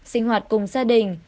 sinh hoạt cùng gia đình